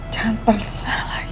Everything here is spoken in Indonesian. jangan pernah lagi